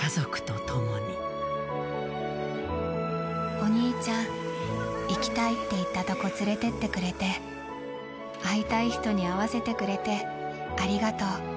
お兄ちゃん、行きたいっていったとこ連れてってくれて、会いたい人に会わせてくれてありがとう。